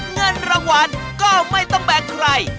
เงินรางวัลก็ไม่ต้องแบกใคร